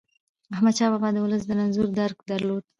احمدشاه بابا د ولس د رنځونو درک درلود.